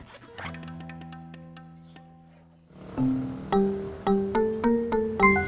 ya udah aku mau